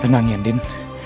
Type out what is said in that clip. tenang ya andin